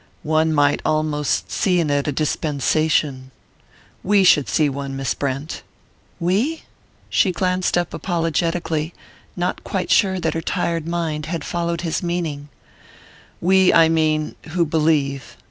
"One might almost see in it a dispensation we should see one, Miss Brent." "We?" She glanced up apologetically, not quite sure that her tired mind had followed his meaning. "We, I mean, who believe...